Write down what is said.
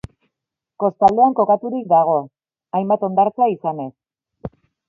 Kostaldean kokaturik dago, hainbat hondartza izanez.